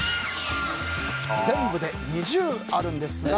全部で２０あるんですが